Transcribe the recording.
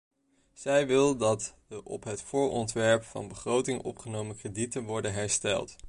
Zij wil dat de op het voorontwerp van begroting opgenomen kredieten worden hersteld.